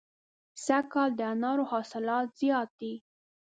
سږ کال د انارو حاصلات زیات دي.